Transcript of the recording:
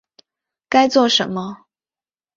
该做什么